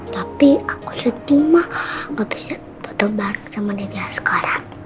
tapi aku sedih mah gak bisa foto baru sama dedy askara